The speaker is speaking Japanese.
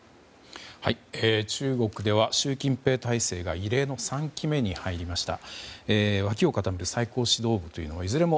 中国では、習近平体制が異例の３期目に入りました。